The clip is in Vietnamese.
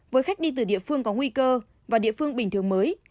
với khách đi từ địa phương có nguy cơ và địa phương bình thường mới